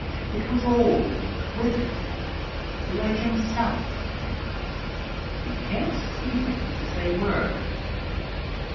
It was old, withered like himself. You can't see things as they were.